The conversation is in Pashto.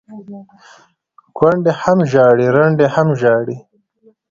ـ کونډې هم ژاړي ړنډې هم ژاړي،